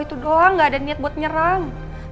itu doang gak ada niat buat nyerang